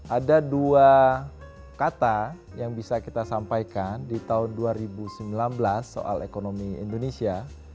ada dua kata yang bisa kita sampaikan di tahun dua ribu sembilan belas soal ekonomi indonesia